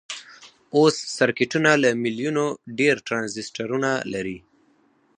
اوس سرکټونه له سلو میلیونو ډیر ټرانزیسټرونه لري.